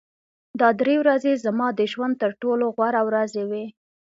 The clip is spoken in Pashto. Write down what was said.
دا درې ورځې زما د ژوند تر ټولو غوره ورځې وې